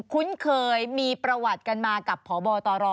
คุ้นเคยมีประวัติกันมากับพบตร